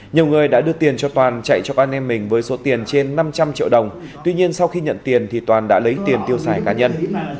nhiều người đã đưa tiền cho toàn chạy cho con em mình với số tiền trên năm trăm linh triệu đồng tuy nhiên sau khi nhận tiền thì toàn đã lấy tiền tiêu xài cá nhân